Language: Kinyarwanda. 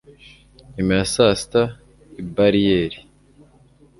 nyuma ya saa sita. i bariyeri